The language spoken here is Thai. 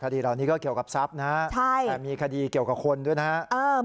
คดีเหล่านี้ก็เกี่ยวกับทรัพย์นะแต่มีคดีเกี่ยวกับคนด้วยนะครับ